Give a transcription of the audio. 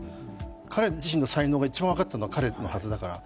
彼自身の才能が一番分かっているのは彼のはずだから。